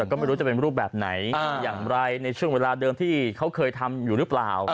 ก็ไม่รู้จะเป็นรูปแบบไหนอย่างไรในช่วงเวลาเดิมที่เขาเคยทำอยู่หรือเปล่า